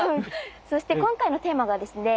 そして今回のテーマがですね